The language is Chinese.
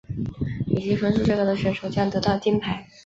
累积分数最高的选手将得到金牌。